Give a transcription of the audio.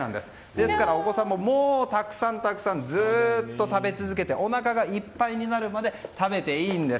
ですからお子さんももうたくさんたくさんずっと食べ続けておなかがいっぱいになるまで食べていいんです。